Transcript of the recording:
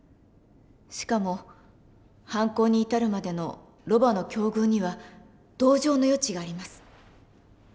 しかも犯行に至るまでのロバの境遇には同情の余地があります。